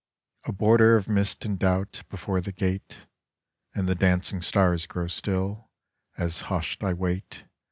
A border of mist and doubtBefore the gate, And the Dancing Stars grow stillAs hushed I wait.